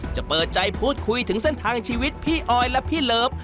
เปิดใจพูดคุยถึงเส้นทางชีวิตพี่ออยและพี่เลิฟ